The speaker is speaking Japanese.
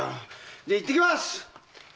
じゃ行ってきます！